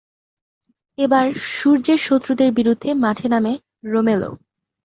এবার সূর্যের শত্রুদের বিরুদ্ধে মাঠে নামে রোমেলও।